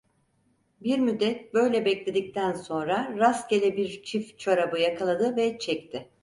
Bir müddet böyle bekledikten sonra rastgele bir çift çorabı yakaladı ve çekti.